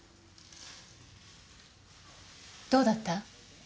・・どうだった？